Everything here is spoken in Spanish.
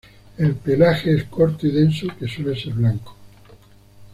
El pelaje es corto y denso, que suele ser blanco.